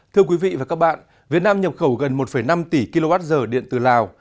thưa quý vị và các bạn việt nam nhập khẩu gần một năm tỷ kwh điện từ lào